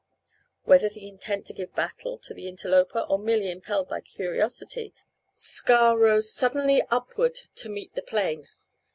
Whether with intent to give battle to the interloper or merely impelled by curiosity, Ska rose suddenly upward to meet the plane.